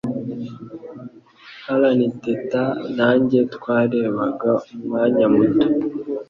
Alan Tate nanjye twarebaga umwanya muto.